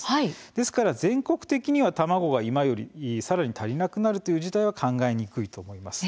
ですから、全国的には卵は今よりさらに足りなくなるという事態は考えにくいといいます。